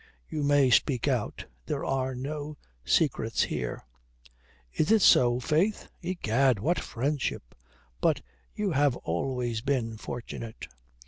You may speak out. There are no secrets here." "Is it so, faith? Egad, what friendship! But you have always been fortunate.